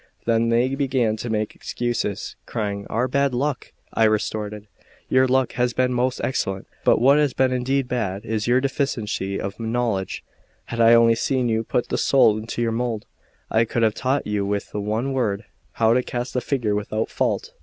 Then they began to make excuses, crying: "Our bad luck!" I retorted: "Your luck has been most excellent, but what has been indeed bad is your deficiency of knowledge; had I only seen you put the soul into your mould, I could have taught you with one word how to cast the figure without fault.